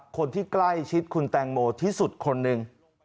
คนที่ใกล้ชิดคุณแตงโมที่สุดคนหนึ่ง